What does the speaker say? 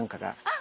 あ。